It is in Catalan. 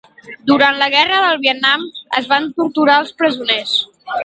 Durant la Guerra del Vietnam, es van torturar els presoners.